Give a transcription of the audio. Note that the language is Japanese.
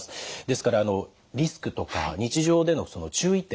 ですからリスクとか日常での注意点